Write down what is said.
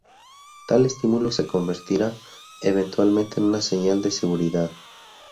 Tal estímulo se convertirá eventualmente en una señal de seguridad.